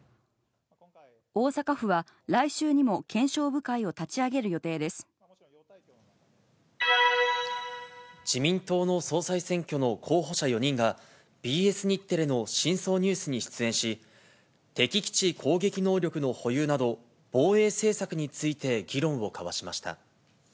大阪府は、来週にも検証部会自民党の総裁選挙の候補者４人が、ＢＳ日テレの深層ニュースに出演し、敵基地攻撃能力の保有など、防衛政策について議論を交わしました。